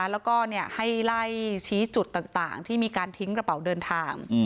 แล้วก็ให้ไล่ชี้จุดต่างที่มีการทิ้งกระเป๋าเดินทาง